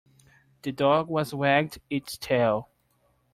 The dog was wagged its tail.